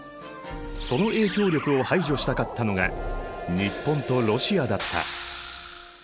その影響力を排除したかったのが日本とロシアだった。